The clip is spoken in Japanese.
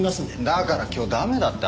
だから今日駄目だって。